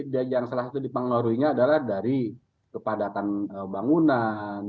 dan yang salah satu dipengaruhinya adalah dari kepadatan bangunan